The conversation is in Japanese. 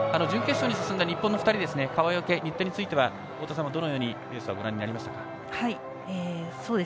準決勝に進んだ日本の２人川除、新田については太田さん、どのようにレースをご覧になりましたか？